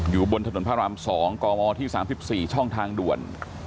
อยู่บนถนนพระราม๒กมที่๓๔ช่องทางด่วน